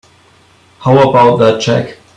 How about that check?